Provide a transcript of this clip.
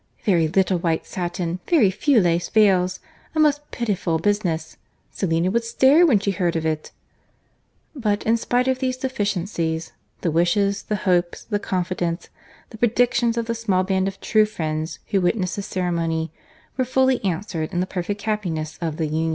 —"Very little white satin, very few lace veils; a most pitiful business!—Selina would stare when she heard of it."—But, in spite of these deficiencies, the wishes, the hopes, the confidence, the predictions of the small band of true friends who witnessed the ceremony, were fully answered in the perfect happiness of the union.